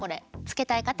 つけたい方？